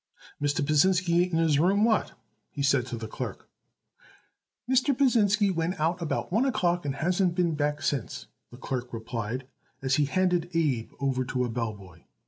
"Mr. Pasinsky ain't in his room. What?" he said to the clerk. "Mr. Pasinsky went out about one o'clock and hasn't been back since," the clerk replied as he handed Abe over to a bell boy.